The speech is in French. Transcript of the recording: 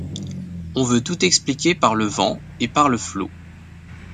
On veut tout expliquer par le vent et par le flot.